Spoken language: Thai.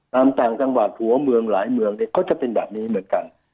ต่างจังหวัดหัวเมืองหลายเมืองเนี่ยก็จะเป็นแบบนี้เหมือนกัน